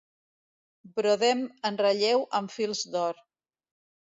Brodem en relleu amb fils d'or.